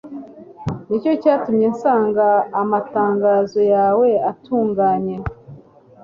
Ni cyo cyatumye nsanga amatangazo yawe atunganye